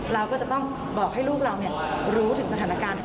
เราก็จะต้องบอกให้ลูกเรารู้ถึงสถานการณ์